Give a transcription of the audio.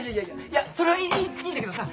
いやそれはいいいいんだけどさ